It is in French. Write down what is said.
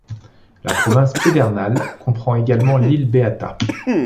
La province de Pedernales comprend également l'île Beata.